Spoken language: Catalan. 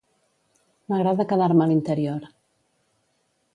M'agrada quedar-me a l'interior.